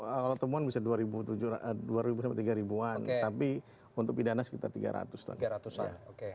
kalau temuan bisa dua ribu tiga ribu an tapi untuk pidana sekitar tiga ratus an